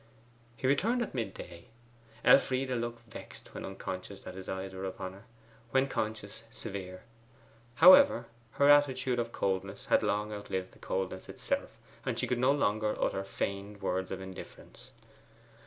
He returned at midday. Elfride looked vexed when unconscious that his eyes were upon her; when conscious, severe. However, her attitude of coldness had long outlived the coldness itself, and she could no longer utter feigned words of indifference.